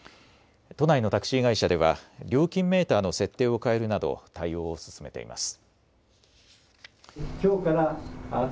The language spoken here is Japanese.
都内のタクシー会社では料金メーターの設定を変えるなど対応を進めています。